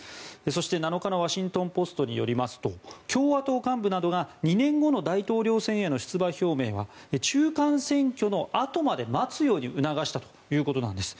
そして７日のワシントン・ポストによりますと共和党幹部などが２年後の大統領選への出馬表明は中間選挙のあとまで待つように促したということなんです。